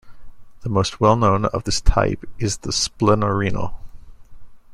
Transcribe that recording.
The most well known of this type is the splenorenal.